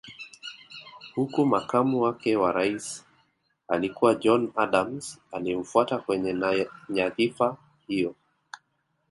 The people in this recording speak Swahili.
Huku makamu wake wa Rais alikuwa John Adams aliyemfuata kwenye nyadhifa hiyo